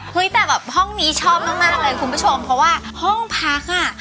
แต่แบบห้องนี้ชอบมากมากเลยคุณผู้ชมเพราะว่าห้องพักอ่ะ